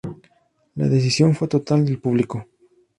La decisión fue total del público.